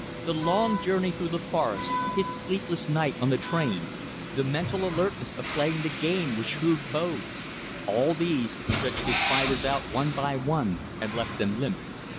The long journey through the forest, his sleepless night on the train, the mental alertness of playing the game with shrewd foes all these stretched his fibers out one by one and left them limp.